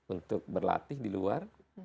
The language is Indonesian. untuk berlatih di luar